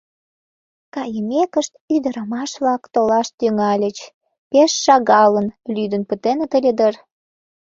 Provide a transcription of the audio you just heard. Кайымекышт, ӱдырамаш-влак толаш тӱҥальыч, пеш шагалын, лӱдын пытеныт ыле дыр.